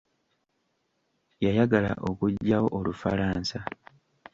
Yayagala okuggyawo Olufalansa.